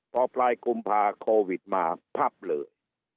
พอปลายกุมภาโควิดมาพับเลย